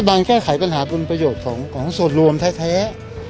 รัฐบาลแก้ไขปัญหาบุญประโยชน์ของส่วนรวมแท้